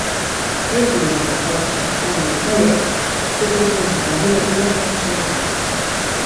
És l'única força d'àmbit gallec que presenta candidatura en solitari.